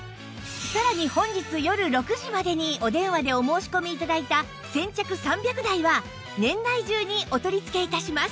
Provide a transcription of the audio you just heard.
さらに本日よる６時までにお電話でお申し込み頂いた先着３００台は年内中にお取り付け致します